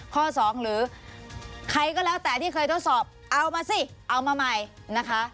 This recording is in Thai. ข้อสองหรือใครก็แล้วแต่ที่เคยทดสอบเอามาสิเอามาใหม่นะคะ